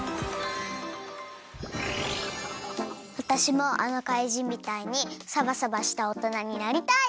わたしもあのかいじんみたいにサバサバしたおとなになりたい。